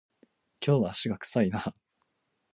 今日は足が臭いな